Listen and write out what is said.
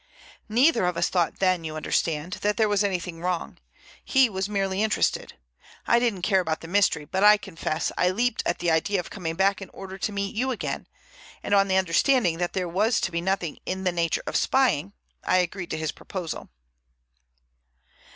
Neither of us thought then, you understand, that there was anything wrong; he was merely interested. I didn't care about the mystery, but I confess I leaped at the idea of coming back in order to meet you again, and on the understanding that there was to be nothing in the nature of spying, I agreed to his proposal."